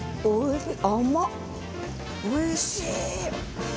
おいしい！